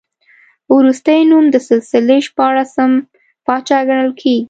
وروستی نوم د سلسلې شپاړسم پاچا ګڼل کېږي.